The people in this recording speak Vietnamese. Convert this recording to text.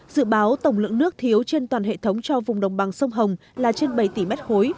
dự báo tổng lượng nước thiếu trên toàn hệ thống cho vùng đồng bằng sông hồng là trên bảy tỷ mét khối